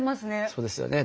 そうですよね。